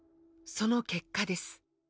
その結果です。